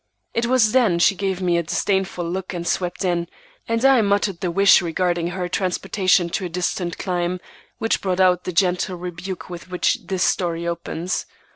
It was then she gave me a disdainful look and swept in, and I muttered the wish regarding her transportation to a distant clime, which brought out the gentle rebuke with which this story opens.